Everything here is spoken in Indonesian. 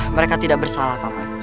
mereka tidak bersalah paman